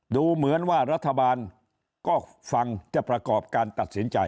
ดูเหมือนว่ารัฐบาลก็ฟังจะประกอบการตัดสินใจ